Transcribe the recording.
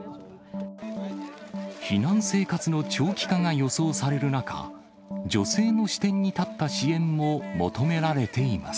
避難生活の長期化が予想される中、女性の視点に立った支援も求められています。